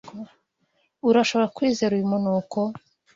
Urashobora kwizera uyu munuko?